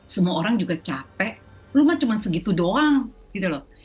semua orang juga capek rumah cuma segitu doang gitu loh